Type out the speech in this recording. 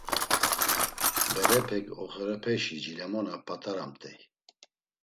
Berepek oxorepeşi jilemona p̌at̆aramt̆ey.